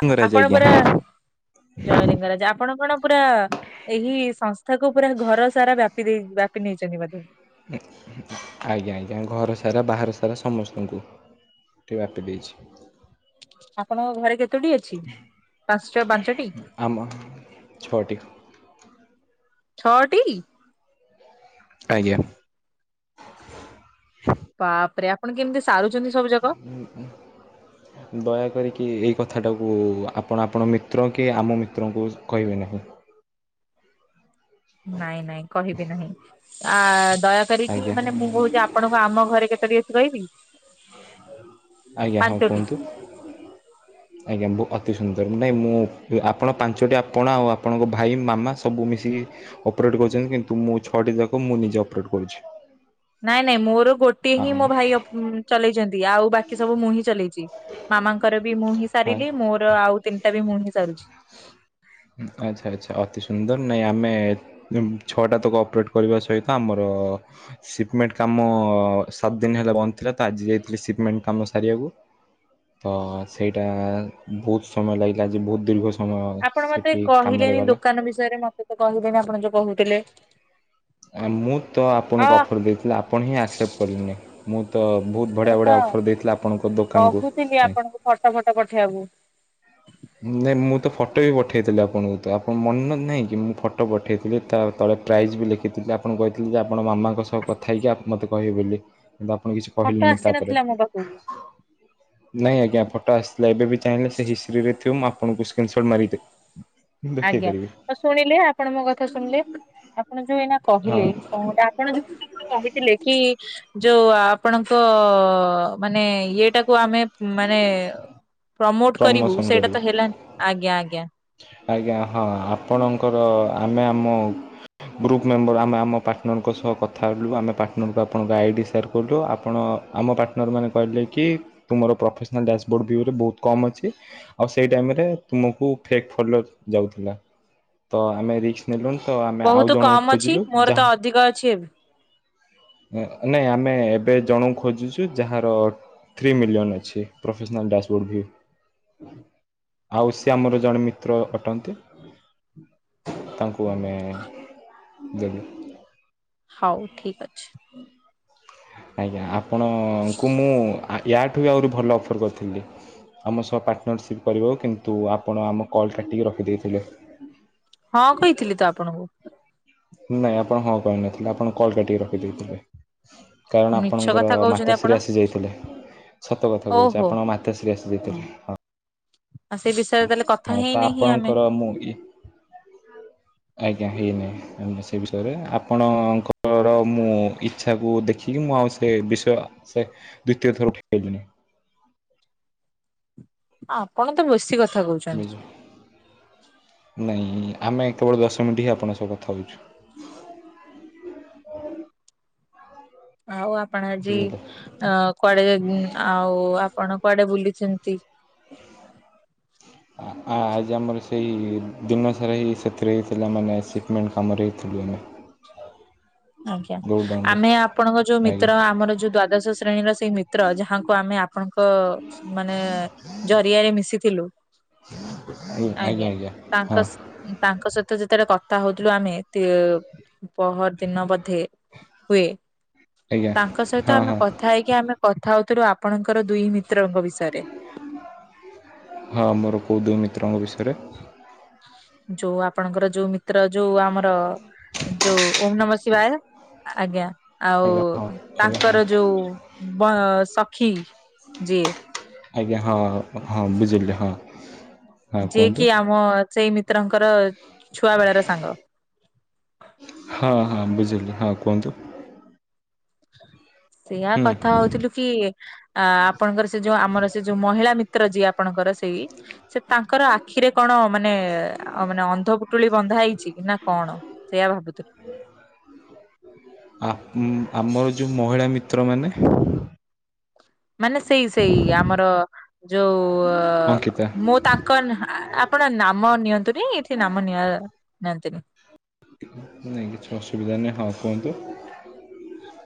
ଆ ଆପଣ ଆଜ୍ଞା ପୁରା ଜୟଲିଙ୍ଗରାଜ ଆପଣ କଣ ପୁରା- ଏହି ସଂସ୍ଥାକୁ ପୁରା ଘର ସାରା ବ୍ୟାପି ଦେଇ ବ୍ୟାପି ନେଇଚନ୍ତି ବୋଧେ। ଆଜ୍ଞା ଆଜ୍ଞା ଘର ସାରା ବାହାର ସାରା ସମସ୍ତଙ୍କୁ। ଟି ବ୍ୟାପି ଦେଇଚି। ଆପଣଙ୍କ ଘରେ କେତୋଟି ଅଛି ପାଶ୍ଚ ପାଞ୍ଚଟି? ଆମ ଛଅଟି। ଛଅଟି। ଆଜ୍ଞା। ବାପ୍ ରେ ଆପଣ କେମିତି ସାରୁଚନ୍ତି ସବୁ ଜାକ? ଉଁ ଉଁ। ଦୟାକରିକି ଏଇ କଥାଟାକୁ ଆପଣ ଆପଣ ମିତ୍ର କି ଆମ ମିତ୍ରଙ୍କୁ କହିବେ ନାହିଁ। ନାଇଁ ନାଇଁ, କହିବି ନାହିଁ। ଆ ଦୟାକରିକି ଆଜ୍ଞା ମାନେ ମୁଁ କହୁଛି ଆପ ଆପଣଙ୍କୁ ଆମ ଘରେ କେତୋଟି ଅଛି କହିବି? ଆଜ୍ଞା ହଁ ପାଞ୍ଚଟି। କୁହନ୍ତୁ। ଆଜ୍ଞା, ଅତି ସୁନ୍ଦର। ନାହିଁ ମୁଁ ଆପଣ ପାଞ୍ଚଟି ଆପଣା ଆଉ ଆପଣଙ୍କ ଭାଇ ମାମା ସବୁ ମିଶିକି ଅପରେଟ୍ କରୁଛନ୍ତି କିନ୍ତୁ ମୁଁ ଛଅଟି ଯାକ ମୁଁ ନିଜେ ଅପରେଟ୍ କରୁଛି। ନାଇଁ ନାଇଁ ମୋର ଗୋଟିଏ ହିଁ ହଁ ମୋ ଭାଇ ଅପ୍ ଚଲେଇଛନ୍ତି, ଆଉ ବାକି ସବୁ ମୁଁ ହିଁ ଚଲେଇଛି। ମାମାଙ୍କର ବି ମୁଁ ହିଁ ହଁ ସାରିଲି, ମୋର ଆଉ ତିନିଟା ବି ମୁଁ ହିଁ ସାରୁଛି। ଆଚ୍ଛା ଆଚ୍ଛା। ଅତି ସୁନ୍ଦର, ନାଇଁ ଆମେ ଛଅଟା ତକ ଅପରେଟ କରିବା ସହିତ ଆମର ସିପମେଣ୍ଟ କାମ ସାତ ଦିନ ହେଲା ବନ୍ଦ ଥିଲା, ତ ଆଜି ଯାଇଥିଲି ସିପମେଣ୍ଟ କାମ ସାରିବାକୁ। ତ ସେଇଟା ବହୁତ ସମୟ ଲାଗିଲା ଯେ, ବହୁତ ଦୀର୍ଘ ସମୟ ଆପଣ ମତେ ସେଠି କାମରେ କହିଲେନି ଗଲା। ଦୋକାନ ବିଷୟରେ ମତେ ତ କହିଲେନି, ଆପଣ ଯୋଉ କହୁଥିଲେ। ଆ ମୁଁ ତ ଅ ଆପଣଙ୍କୁ ଅଫର୍ ଦେଇଥିଲି ଆପଣ ହିଁ ଆକ୍ସେପ୍ଟ କଲେନେଇଁ। ମୁଁ ତ ବହୁତ ମୁଁ ବଢ଼ିଆ ତ ବଢ଼ିଆ ଅଫର୍ ଦେଇଥିଲି ଆପଣଙ୍କ ଦୋକାନକୁ। ପାଇଁ। ଫଟ ଫଟ ପଠେଇଆକୁ। ନାଇଁ ମୁଁ ତ ଫଟୋ ବି ପଠେଇଥିଲି ଆପଣଙ୍କୁ, ତ ଆପଣ ମନ ନାହିଁ କି ମୁଁ ଫଟୋ ପଠାଇଥିଲି, ତା ତଳେ ପ୍ରାଇଜ୍ ବି ଲେଖିଥିଲି, ଆପଣ କହିଥିଲେ ଯେ ଆପଣ ମାମାଙ୍କ ସହ କଥା ହେଇକି ଆପ ମତେ କହିବେ ବୋଲି। କିନ୍ତୁ ଆପଣ କିଛି ଫଟୋ କହିଲେଣି ତାପରେ। ଆସିନଥିଲା ମୋ ପାଖକୁ ନାଇଁ ଆଜ୍ଞା, ଫଟୋ ଆସିଥିଲା ଏବେ ବି ଚାହିଁଲେ ସେ ହିସ୍ ସ୍ତରେ ଥିବ ମୁଁ ଆପଣଙ୍କୁ ସ୍କ୍ରିନ୍ ସଟ୍ ମାରିକି ଦେବି। ଆଜ୍ଞା। ତ ଶୁଣିଲେ ଆପଣ ମୋ କଥା ଶୁଣିଲେ, ଆପଣ ଯୋଉ ଏଇନା ହଁ କହିଲେ କଣ ଗୋଟେ ଆପଣ ଯୋଉ ମତେ କହିଥିଲେ କି ଯୋଉ ଆପଣଙ୍କ ମାନେ ଇଏଟାକୁ କୁ ଆମେ ମାନେ ପ୍ରମୋଟ କରିବୁ ପ୍ରମୋସନ୍ ସେଇଟା କରିବି। ତ ହେଲାନି। ଆଜ୍ଞା ଆଜ୍ଞା। ଆଜ୍ଞା ହଁ, ଆପଣଙ୍କର ଆମେ ଆମ ଗ୍ରୁପ୍ ମେମ୍ବର ଆମେ ଆମ ପାର୍ଟନରଙ୍କ ସହ କଥା ହେଲୁ, ଆମେ ପାର୍ଟନରକୁ ଆପଣଙ୍କ ଗାଇଡ଼ ସେୟାର୍ କଲୁ। ଆପଣ ଆମ ପାର୍ଟନର୍ ମାନେ କହିଲେ କି ତୁମର ପ୍ରୋଫେସନାଲ୍ ଡ୍ୟାସବୋର୍ଡ଼ ଭିୟୁରେ ବହୁତ କମ୍ ଅଛି। ଆଉ ସେଇ ଟାଇମରେ ତୁମକୁ ଫେକ ଫୋଲୋର ଯାଉଥିଲା। ତ ଆମେ ରିସ୍କ ନେଲୁନୁ ତ ଆମେ ବହୁତ ଆଉ କମ ଜଣଙ୍କୁ ଅଛି ଖୋଜିଲୁ, ମୋର ତ ଯାହା ଅଧିକ ଅଛି ଏବେ? ନାଇଁ, ଆମେ ଏବେ ଜଣଙ୍କୁ ଖୋଜୁଛୁ, ଯାହାର ଥ୍ରୀ ମିଲିୟନ୍ ଅଛି ପ୍ରୋଫେସନଲ ଡ୍ୟାସବୋର୍ଡ଼ ଭିଉ। ଆଉ ସିଏ ଆମର ଜଣେ ମିତ୍ର ଅଟନ୍ତି। ତାଙ୍କୁ ଆମେ ଦେଲୁ। ହଉ ଠିକ ଅଛି। ହୁଁ। ଆଜ୍ଞା। ଆପଣଙ୍କୁ ମୁଁ ୟାଠୁ ବି ଆହୁରି ଭଲ ଅଫର୍ କରିଥିଲି। ଆମ ସହ ପାର୍ଟନରସିପ୍ କରିବ କିନ୍ତୁ ଆପଣ ଆମ କଲ୍ କାଟିକି ରଖିଦେଇଥିଲେ। ହଁ କହିଥିଲି ତ ଆପଣଙ୍କୁ। ନାହିଁ ଆପଣ ହଁ କହିନଥିଲେ, ଆପଣ କଲ୍ କାଟିକି ରଖିଦେଇଥିଲେ। କାରଣ ମିଛ ଆପଣଙ୍କର କଥା କହୁଛନ୍ତି ଆପଣ। ମାତାଶ୍ରୀ ଆସି ଯାଇଥିଲେ। ସତ କଥା କହୁଛି ଓହୋ ଆପଣଙ୍କ ମାତାଶ୍ରୀ ଆସି ଯାଇଥିଲେ। ହଁ। ଆଉ ସେ ବିଷୟରେ ତାହେଲେ କଥା ହଁ ତ ହେଇନେ ହିଁ ଆମେ? ଆପଣଙ୍କର ମୁଁ ହି [inaudible] ଆଜ୍ଞା ହେଇନାହିଁ ସେ ବିଷୟରେ, ଆପଣଙ୍କର ଙ୍କର ମୁଁ ଇଚ୍ଛାକୁ ଦେଖିକି ମୁଁ ଆଉ ସେ ବିଷୟ ସେ ଦ୍ଵିତୀୟ ଥର ଫିଟେଇଲିନି। ଆପଣ ତ ବେଶୀ କଥା କହୁଛନ୍ତି। ହୁଁ। ନାଇଁ ଆମେ କେବଳ ଦଶ ମିଣ୍ଟି ହିଁ ଆପଣଙ୍କ ସହ କଥା ହଉଛୁ। ଆଉ ଆପଣ ଆଜି ବୁଝିଲେ ଅ କୁଆଡେ ଆଉ ଆପଣ କୁଆଡେ ବୁଲିଚନ୍ତି? ଆଜି ଆମର ସେଇ ଦିନସାରା ହିଁ ସେଥିରେ ପିଲାମାନେ ସିକ୍ ମେଣ୍ଟ କାମ ଦେଇଥିଲେ। ଆଜ୍ଞା। ଆମେ ଆପଣଙ୍କ ଯୋଉ ଆଜ୍ଞା ମିତ୍ର, ଆମର ଯୋଉ ଦ୍ଵାଦଶ ଶ୍ରେଣୀର ସେଇ ମିତ୍ର ଯାହାକୁ ଆମେ ଆପଣଙ୍କ ମାନେ ଜରିଆରେ ମିଶିଥିଲୁ। ଆଜ୍ଞା ଆଜ୍ଞା ହଁ। ତାଙ୍କ ସହିତ ଯେତେବେଳେ କଥା ହୋଉଥିଲୁ, ଆମେ ପହର ଦିନ ବୋଧେ ହୁଏ। ଆଜ୍ଞା। ତାଙ୍କ ସହିତ ହଁ ଆମେ ହଁ କଥା ହେଇକି ଆମେ କଥା ହୋଉଥିଲ ଆପଣଙ୍କର ଦୁଇ ମିତ୍ରଙ୍କ ବିଷୟରେ। ହଁ ମୋର କୋଉ ଦୁଇ ମିତ୍ରଙ୍କ ବିଷୟରେ। ଯୋଉ ଆପଣଙ୍କର ଯୋଉ ମିତ୍ର ଯୋଉ ଆମର। ଯୋଉ ଓମ୍ ନମ ଶିବାୟ ଆଜ୍ଞା। ଆଉ ଆଜ୍ଞା ହଁ ଆଜ୍ଞା ହଁ। ତାଙ୍କର ଯୋଉ ସଖୀ ଯିଏ। ଆଜ୍ଞା ହଁ ହଁ ବୁଝିଲେ ହଁ। ହଁ ଯିଏ କୁହନ୍ତୁ କିି ଆମ ସେଇ ମିତ୍ରଙ୍କର ଛୁଆ ବେଳ ର ସାଙ୍ଗ। ହଁ ହଁ ବୁଝିଲି ହଁ କୁହନ୍ତୁ। ହ [unintelligible] ସେଇଆ ହୁଁ କଥା ହଉଥିଲୁ କି ଆ ଆପଣଙ୍କର ସେ ଯୋଉ ଆମର ସେ ଯୋଉ ମହିଳା ମିତ୍ର ଯିଏ। ଆପଣଙ୍କର ସେଇ ସେ ତାଙ୍କର ଆଖିରେ କଣ ମାନେ ମାନେ ଅନ୍ଧପୁଟୁଳି ବନ୍ଧା ହେଇଛି କି ନା କଣ। ସେଇୟା ଭାବୁଥିଲୁ। ଆମର ଯୋଉ ମହିଳା ମିତ୍ର ମାନେ? ମାନେ ସେଇ ସେଇ ଆମର ଯୋଉ ଅଙ୍କିତା ମୋ ତାଙ୍କ ଆପଣ ନାମ ନିଅନ୍ତୁନି, ଏଇଠି ନାମ ନିଅ ନିଅନ୍ତିନି। ନାହିଁ କିଛି ଅସୁବିଧା ନାହିଁ, ହଁ କୁହନ୍ତୁ।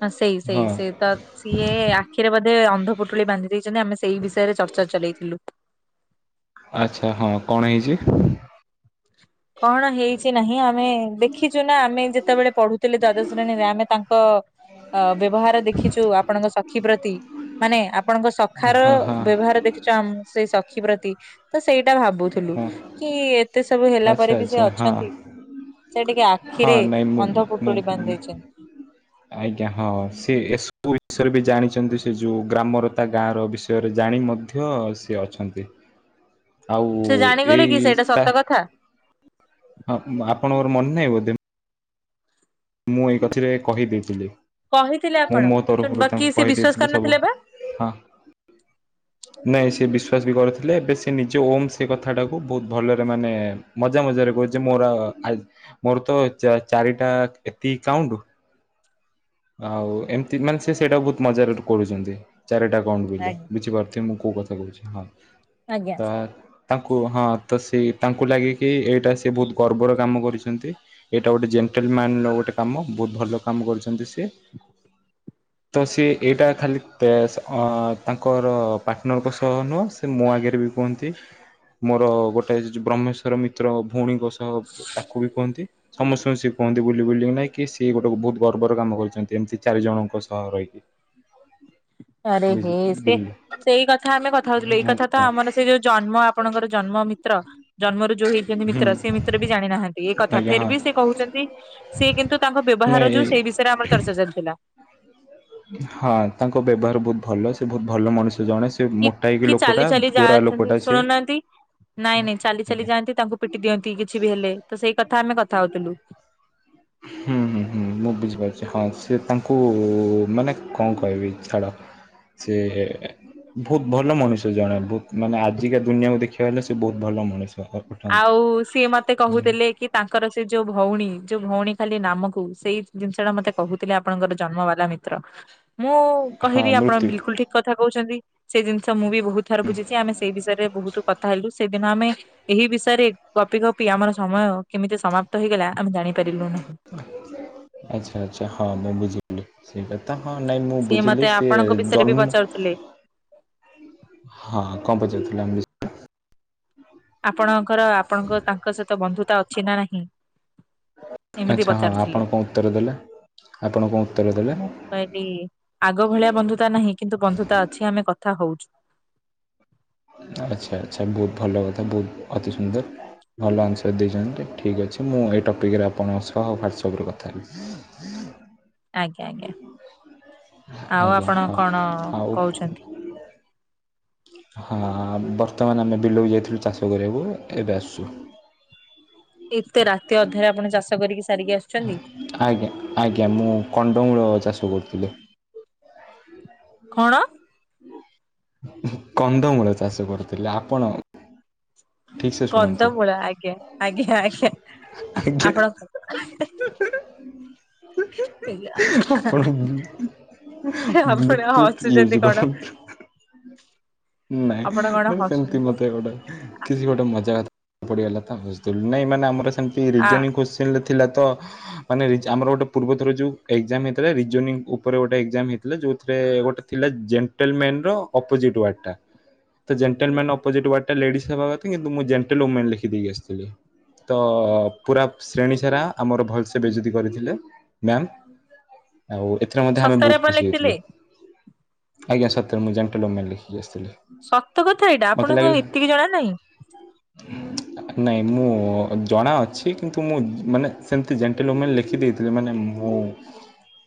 ହଁ ସେଇ ସେଇ ହଁ ସେଇ ତ ସିଏ ଆଖିରେ ବୋଧେ ଅନ୍ଧପୁଟୁଳି ବାନ୍ଧି ଦେଇଛନ୍ତି ଆମେ ସେଇ ବିଷୟରେ ଚର୍ଚା ଚଲେଇଥିଲୁ। ଆଚ୍ଛା ହଁ, କଣ ହେଇଛି? କଣ ହେଇଛି ନାହିଁ ଆମେ ଦେଖିଛୁ ନା ଆମେ ଯେତେବେଳେ ପଢୁ ତ ଦ୍ଵାଦଶ ଶ୍ରେଣୀରେ ଆମେ ତାଙ୍କ ଅ ବ୍ୟବହାର ଦେଖିଛୁ, ଆପଣଙ୍କ ସଖୀ ପ୍ରତି ମାନେ ଆପଣଙ୍କ ସଖାର ହଁ ହଁ ବ୍ୟବହାର ଦେଖିଛ ମ ସେଇ ସଖି ପ୍ରତି। ତ ସେଇଟା ଭାବୁଥିଲୁ ହଁ। କି, ଏତେ ସବୁ ହେଲା ଆଚ୍ଛା ପରେ ବି ସେ ଆଚ୍ଛା ହଁ ଅଛନ୍ତି। ସେ ଟିକେ ହଁ ଆଖିରେ ନାହିଁ ମୁଁ ଅନ୍ଧ ମୁଁ। ପୁଟୁଳି ବାନ୍ଧି ଦେଇଛନ୍ତି। ଆଜ୍ଞା ହଁ ସେ ଏସବୁ ବିଷୟରେ ବି ଜାଣିଛନ୍ତି, ସେ ଯୋଉ ଗ୍ରାମର ତା ଗାଁ ର ବିଷୟ ସେ ଜାଣି ମଧ୍ୟ ସିଏ ଅଛନ୍ତି। ଆଉ ସେ ଜାଣିଗଲେ ଏଇ କି ସେଇଟା ତା ସତ କଥା। ହଁ ଆପଣଙ୍କର ମନେ ନାହିଁ ବୋଧେ। ମୁଁ ଏକଥିରେ କହିଦେଇଥିଲି କହିଥିଲେ ମୁଁ ଆପଣ ମୋ ଶୁଣ ତରଫରୁ ବାକି ତାଙ୍କୁ ସେ ବିଶ୍ଵାସ କହିଦେଇଥିଲି ସବୁ କରିନଥିଲେ ବା। ହଁ। ନାଇଁ ସେ ବିଶ୍ୱାସ ବି କରିଥିଲେ, ଏବେ ସେ ନିଜ ଓମ୍ ସେ କଥାଟାକୁ ବହୁତ ଭଲରେ ମାନେ ମଜା ମଜାରେ କହୁଛି ମୋର ଫା ମୋର ତ ଚାରିଟା ଏତିକି କାଉଣ୍ଟୁ ଆଉ ଏମିତି ମାନେ ସେ ସେଇଟା ବହୁତ ମଜାରେ କରୁଛନ୍ତି, ଚାରିଟା କାଉଣ୍ଟୁ ବୋଲି ଆଜ୍ଞା ବୁଝିପାରୁ ତତେ ମୁଁ କୋଉ କଥା କହୁଛି ହଁ ଆଜ୍ଞା। ତା ତାଙ୍କୁ ହଁ ତ ସେ ତାଙ୍କୁ ଲାଗେ କିି, ଏଇଟା ସେ ବହୁତ ଗର୍ବର କାମ କରିଛନ୍ତି। ଏଇଟା ଗୋଟେ ଜେଣ୍ଟଲମ୍ୟାନର ଗୋଟେ କାମ ବହୁତ ଭଲ କାମ କରୁଛନ୍ତି ସିଏ। ତ ସିଏ ଏଇଟା ଖାଲି ତାଙ୍କର ପାର୍ଟନରଙ୍କ ସହ ନୁହଁ ମୋ ଆଗରେ ବି କୁହନ୍ତି ମୋର ଗୋଟେ ବ୍ରହ୍ମେଶ୍ୱର ମିତ୍ର ଭଉଣୀଙ୍କ ସ ତାକୁ ବି କୁହନ୍ତି ସମସ୍ତଙ୍କୁ ସିଏ କୁହନ୍ତି ବୁଲି ବୁଲି ନାଇଁ କି ସିଏ ଗୋଟେ ବହୁତ ଗର୍ବର କାମ କରି ଚନ୍ତି ଏମିତି ଚାରି ଜଣଙ୍କ ସହ ରହିକି। ଆରେ ହେ ସେ ବିଲ ସେଇ କଥା ଆମେ କଥା ହୋଉଥୁଲୁ ଏଇ କଥା ତ ଆଚ୍ଛା ଆମର ସେ ଯୋଉ ଜନ୍ମ ଆପଣଙ୍କର ଜନ୍ମ ମିତ୍ର ଜନ୍ମରୁ ଯୋଉ ହେଇଛନ୍ତି ହୁଁ ମିତ୍ର ସେ ମିତ୍ର ବି ଜାଣିନାହାନ୍ତି ଏଇ କଥା ଆଜ୍ଞା ଫେର୍ ହଁ ବି ସେ କୋହୁଚନ୍ତି। ସିଏ କିନ୍ତୁ ତାଙ୍କ ବ୍ୟବହାର ନାଇଁ ଯୋଉ ସେଇ ବିଷୟରେ ଆମର ଚର୍ଚ୍ଚା ଚାଲିଥିଲା। ହଁ ତାଙ୍କ ବ୍ୟବହାର ବୋହୁତ ଭଲ ସେ ସେ ବୋହୁତ ଭଲ ମଣିଷ ଜଣେ ସେ କି ମୋଟା କି ହେଇକି ଚାଲି ଲୋକୋଟା ଚାଲି ଗୋରା ଯାଆନ୍ତି ଲୋକୋଟା ସେ ଶୁଣୁନାହାନ୍ତି ନାଇଁ ନାଇଁ ଚାଲି ଚାଲି ଆଜ୍ଞା ଯାଆନ୍ତି ତାଙ୍କୁ ପିଟି ଦିଅନ୍ତି କିଛି ବି ହେଲେ ତ ସେଇ କଥା ଆମେ କଥା ହୋଉଥୁଲୁ। ହୁଁ ହୁଁ ହୁଁ ମୁଁ ବୁଝିପାରୁଛି ହଁ ସିଏ ତାଙ୍କୁ ମାନେ କଣ କହିବି ଛାଡ଼। ସେଏ ଭୋହୁତ ଭଲ ମଣିଷ ଜଣେ ବୋହୁତ ମାନେ ଆଜିକା ଦୁନିଆକୁ ଦେଖିବା ହେଲେ ସିଏ ବୋହୁତ ଭଲ ମଣିଷ। [unintelligible] ଆଉ ସିଏ ମତେ କହୁଥିଲେ କି? ତାଙ୍କର ସିଏ ଯୋଉ ଭଉଣୀ ଯୋଉ ଭୋଉଣୀ ଖାଲି ନାମକୁ ସେଇ ଜିନିଷଟା ମତେ କହୁଥିଲେ ଆପଣଙ୍କର ଜନ୍ମବାଲା ମିତ୍ର। ମୁଁ ହଁ କହିବି ଆପଣ ମୃତ୍ୟୁ ବିଲକୁଲ ଠିକ କଥା କହୁଚନ୍ତି। ସେଇ ଜିନିଷ ମୁଁ ବି ବୋହୁତ ଥର ବୁଝିଛି ଆମେ ସେଇ ବିଷୟରେ ବୋହୁତୁ କଥା ହେଲୁ ସେଇଦିନ ଆମେ ଏହି ବିଷୟରେ ଗପି ଗପି ଆମର ସମୟ କେମିତି ସମାପ୍ତ ହେଇଗଲା ଆମେ ଜାଣିପାରିଲୁ ନାହିଁ। ଆଚ୍ଛା ଆଚ୍ଛା ହଁ ମୁଁ ବୁଝିଲି। ସେଇ କଥା ହଁ ନାଇଁ ମୁଁ ସିଏ ମତେ ବୁଝିଲି ସିଏ ଆପଣଙ୍କ ବିଷୟରେ ବି ପଚାରୁଥିଲେ। ଜନ୍ମ ହଁ କଁ ପଚାରୁଥୁଲେ ଆମ ବିଶ୍ ଆପଣଙ୍କର ଆପଣଙ୍କ ତାଙ୍କ ସହିତ ବନ୍ଧୁତା ଅଛି ନା ନାହିଁ? ଏମିତି ଆଚ୍ଛା ହଁ ପଚାରୁଥିଲେ। ଆପଣ କଁ ଉତ୍ତର ଦେଲେ ଆପଣ କଁ ଉତ୍ତର ଦେଲେ। ମୁଁ କହିଲି ଆଗ ଭଳିଆ ବନ୍ଧୁତା ନାହିଁ କିନ୍ତୁ ବନ୍ଧୁତା ଅଛି ଆମେ କଥା ହୋଉଛୁ। ଆଚ୍ଛା ଆଚ୍ଛା ବୋହୁତ ଭଲ କଥା ବୋହୁତ ଅତି ସୁନ୍ଦର ଭଲ ଆନ୍ସାର ଦେଇଚନ୍ତି ଠିକ୍ ଅଛି ମୁଁ ଏଇ ଟପିକିରେ ଆପଣଙ୍କ ସହ ୱାଟସପରେ କଥା ହେବି। ଆଜ୍ଞା ଆଜ୍ଞା ଆଉ ଆଜ୍ଞା ଆପଣ ହଁ କଣ ଆଉ କୋହୁଛନ୍ତି? ହଁ ବର୍ତ୍ତମାନ ଆମେ ବିଲକୁ ଯାଇଥିଲୁ ଚାଷ କରିବାକୁ ଏବେ ଆସୁଛୁ। ଏତେ ରାତି ଅଧରେ ଆପଣ ଚାଷ କରିକି ସାରିକି ଆସୁଛନ୍ତି। ଆଜ୍ଞା ଆଜ୍ଞା ମୁଁ କଣ୍ଡମୂଳ ଚାଷ କରୁଥିଲି। କଣ? କନ୍ଦମୂଳ ଚାଷ କରୁଥିଲେ ଆପଣ ଠିକ୍ ସେ ଶୁଣନ୍ତୁ କନ୍ଦମୂଳ ଆଜ୍ଞା ଆଜ୍ଞା ଆଜ୍ଞା। ଆଜ୍ଞା ଆପଣ [unintelligible] ଆପଣ ଆପଣ ବ୍ଲୁଟୁଥ୍ ହସୁଛନ୍ତି ୟୁଜ୍ କଣ କରନ୍ତୁ। ନାଇଁ ଆପଣ କଣ ମାନେ ସେମିତି ହସୁଛନ୍ତି ମତେ ଗୋଟେ କିଛି ଗୋଟେ ମଜା କଥା ପଡ଼ିଗଲା ତ ହସିଦେଲି ନାଇଁ ମାନେ ଆମର ସେମିତି। ଆ [unintelligible] [unintelligible] ଥିଲା ତ ମାନେ ରିଜ ଆମର ଗୋଟେ ପୂର୍ବ ଥର ଯୋଉ ଏଜାମ୍ ହେଇଥିଲା ରିଯୋନିଙ୍ଗି ଉପରେ ଗୋଟେ ଏଜାମ୍ ହେଇଥିଲା ଯୋଉଥିରେ ଗୋଟେ ଥିଲା ଜେଣ୍ଟଲମ୍ୟାନର ଅପୋଜିଟ୍ ୱାର୍ଡ଼ଟା। ତ ଜେଣ୍ଟଲମ୍ୟାନର ଅପୋଜିଟ୍ ୱାର୍ଡ଼ଟା ଲେଡିସ୍ ହେବା କଥା କିନ୍ତୁ ମୁଁ ଜେଣ୍ଟେଲେ ଓମେନ୍ ଲେଖି ଦେଇକି ଆସିଥିଲି। ତ ପୁରା ଶ୍ରେଣୀ ସାରା ଆମର ଭଲସେ ବେଯତି କରିଥିଲେ ମ୍ୟାମ୍। ଆଉ ଏଥିରେ ମଧ୍ୟ ଆମେ ସତରେ ବୋହୁତ ଆପଣ ଖୁସି ହେଇଥିଲୁ। ଲେଖିଥିଲେ ଆଜ୍ଞା ସତରେ ମୁଁ ଜେଣ୍ଟେଲେ ଓମେନ୍ ଲେଖିକି ଆସିଥିଲି। ସତ କଥା ଏଇଡ଼ା ମତେ ଆପଣଙ୍କୁ ଲାଗିଲା ଆଉ ଏତିକି ଜଣା ନାହିଁ। ନାଇଁ ମୁଁ ଜଣା ଅଛି କିନ୍ତୁ ମୁଁ ମାନେ ସେମିତି ଜେଣ୍ଟେଲେ ଓମେନ୍ ଲେଖିଦେଇଥି ମାନେ ମୁଁ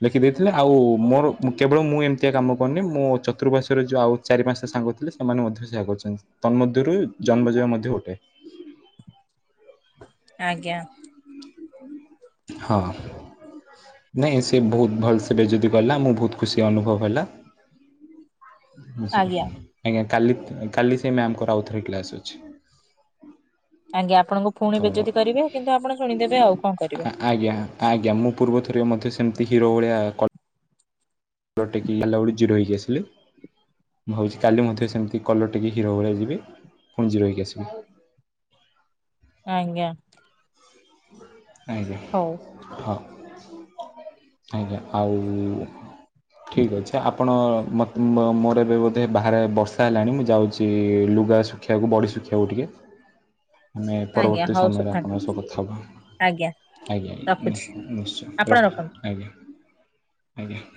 ଲେଖିଦେଇଥିଲେ ଆଉ ମୋରୋ କେବଳ ମୁଁ ଏମିତିଆ କାମ କରିନି ମୋ ଚତୁର୍ପାର୍ଶ୍ୱରେ ଯେଉଁ ଆଉ ଚାରି ପାଂଶଟା ସାଙ୍ଗ ଲେ ସେମାନେ ମଧ୍ୟ ସେୟା କରୁଛନ୍ତି ତନ୍ମଧ୍ଯରୁ ଜନ୍ମଜୟ ମଧ୍ୟ ଗୋଟେ। [inaudible] ହଁ। ନାଇଁ ସେ ବହୁତ୍ ଭଲ ସେ ବେଜତି କଲା ମୁଁ ବହୁତ ଖୁସି ଅନୁଭବ ହେଲା। ଆଜ୍ଞା [unintelligible] ଆଜ୍ଞା କାଲି କାଲି ସେ ମ୍ୟାମଙ୍କର ଆଉଥରେ କ୍ଲାସ ଅଛି। ଆଜ୍ଞା ଆପଣଙ୍କୁ ତ ପୁଣି ବେଜତି କରିବେ କିନ୍ତୁ ଆପଣ ଶୁଣିଦେବେ ଆଉ କଣ କରିବେ? ଆଜ୍ଞା ଆଜ୍ଞା ମୁଁ ପୂର୍ବ ଥରିକ ମଧ୍ୟ ସେମିତି ହିରୋ ଭଳିଆ କଲ୍ [unintelligible] ଜିରୋ ହୋଇକି ଆସିଲେ। ଭାବୁଛି କାଲି ମଧ୍ୟ ସେମିତି କଲର୍ ଟେକି ହିରୋ ଭଳିଆ ବି ଯିବି ପୁଣି ଜିରୋ ହେଇକି ଆସିବି। ଆଞ୍ଗା। ଆଜ୍ଞା। ହଉ। ହଉ ଆଜ୍ଞା ଆଉ ଠିକ୍ ଅଛି ଆପଣ ମତେ ମ୍ ମୋର ଏବେ ବୋଧେ ବାହାରେ ବର୍ଷା ହେଲାଣି ମୁଁ ଯାଉଛି ଲୁଗା ଶୁଖେ୍ବାକୁ ବଡ଼ି ଶୁଖିବାକୁ ଟିକେ ନାଇ ଆଜ୍ଞା ପରବର୍ତ୍ତୀ ହଉ ସମୟରେ ସୁଖାନ୍ତୁ ଆପଣଙ୍କ ସହ କଥା ଆଜ୍ଞା ହବା। ଆଜ୍ଞା ରଖୁଛି ଆଜ୍ଞା ନିଶ୍ଚୟ ଆପଣ ରଖ ରଖନ୍ତୁ ଆଜ୍ଞା ଆଜ୍ଞା।